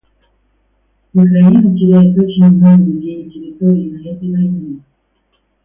Украина теряет очень много людей и территории на этой войне.